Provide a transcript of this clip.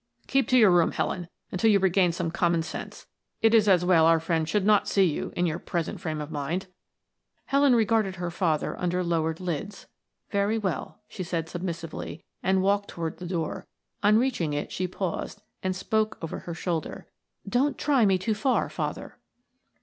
"Keep to your room, Helen, until you regain some common sense. It is as well our friends should not see you in your present frame of mind." Helen regarded her father under lowered lids. "Very well," she said submissively and walked toward the door; on reaching it she paused, and spoke over her shoulder. "Don't try me too far, father."